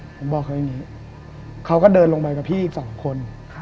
ผมบอกเขาอย่างนี้เขาก็เดินลงไปกับพี่อีก๒คน